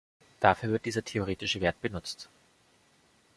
Dafür wird dieser theoretische Wert benutzt.